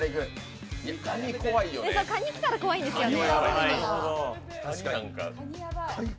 かに来たら、怖いんですよね。